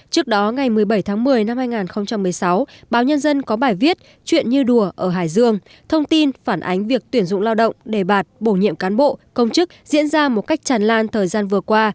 trước đó ngày một mươi bảy tháng một mươi năm hai nghìn một mươi sáu báo nhân dân có bài viết chuyện như đùa ở hải dương thông tin phản ánh việc tuyển dụng lao động đề bạt bổ nhiệm cán bộ công chức diễn ra một cách tràn lan thời gian vừa qua